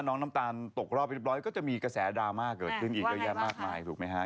น้ำตาลตกรอบเรียบร้อยก็จะมีกระแสดราม่าเกิดขึ้นอีกเยอะแยะมากมายถูกไหมฮะ